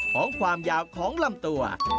ของความยาวของลำตัว